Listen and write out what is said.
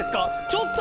ちょっと！